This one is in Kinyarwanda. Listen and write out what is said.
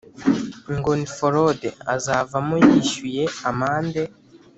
ngo ni forode… azavamo yishyuye amande